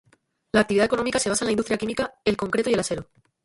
La actividad económica se basa en la industria química, el concreto y el acero.